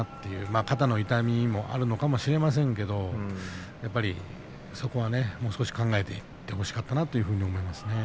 まあ、肩の痛みもあるのかもしれませんけれどもそこはもう少し考えていってほしかったなと思いますね。